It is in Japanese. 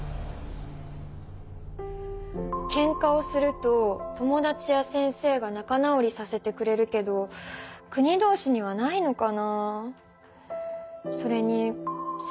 けんかをすると友だちや先生がなかなおりさせてくれるけど国同士にはないのかなあ。